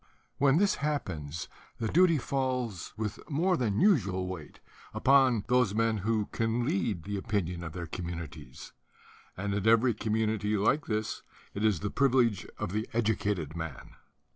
When this happens the duty falls with mon 25 THE DUTY OF THE INTELLECTUALS usual weight upon those men who can lead the opinion of their communities; and in every com munity like this, it is the privilege of the edu cated man."